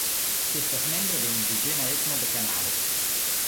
Ŝi estas membro de indiĝena etno de Kanado.